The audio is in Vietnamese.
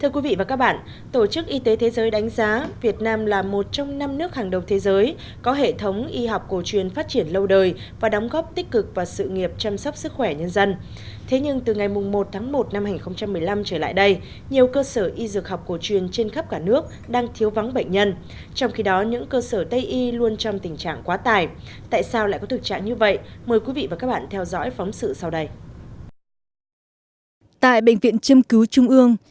chào mừng quý vị và các bạn đến với khung giờ quen thuộc của chương trình điểm tự tương lai trên kênh truyền hình nhân dân